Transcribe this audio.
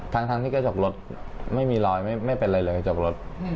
ทั้งที่กระจกรถไม่มีรอยไม่เป็นอะไรเลยกระจกรถ